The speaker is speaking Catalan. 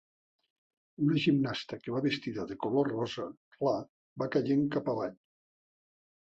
Una gimnasta que va vestida de color rosa clar va caient cap avall.